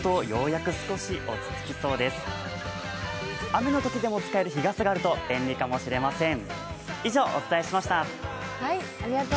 雨のときでも使える日傘があると便利かもしれません。